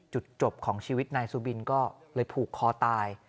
จุดจบของชีวิตนายสุบินก็เลยผูกคอตาย